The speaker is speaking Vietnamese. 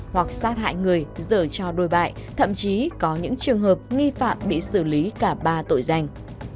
hoặc sát hại người dở cho đôi bại thậm chí có những trường hợp nghi phạm bị xử lý cả ba tội danh